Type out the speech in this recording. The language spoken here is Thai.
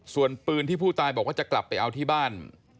ส่วนปืนที่ผู้ตายบอกว่าจะกลับไปเอาที่บ้าน